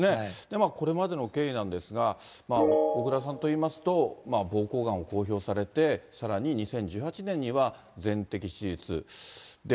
まあ、これまでの経緯なんですが、小倉さんといいますと、ぼうこうがんを公表されて、さらに２０１８年には全摘手術。